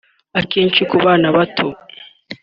Akenshi ku bana bato